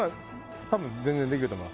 多分、全然できると思います。